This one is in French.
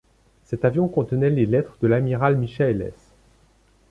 Cet avion contenait les lettres de l'amiral Michahelles.